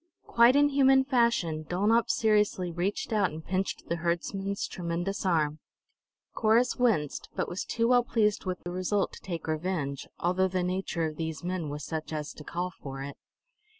Quite in human fashion, Dulnop seriously reached out and pinched the herdsman's tremendous arm. Corrus winced, but was too well pleased with the result to take revenge, although the nature of these men was such as to call for it.